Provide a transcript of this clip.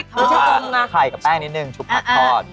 กินกนกับชุบปักทอด